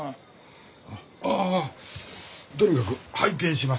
ああとにかく拝見しますね。